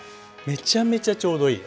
めちゃめちゃちょうどいい。